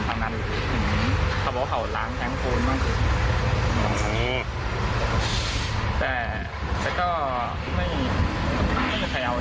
มันก็ต้องอยู่เคียงมันจะไม่ได้อะไร